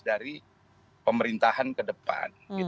dari pemerintahan ke depan